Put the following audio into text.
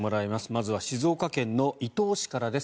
まずは静岡県伊東市からです。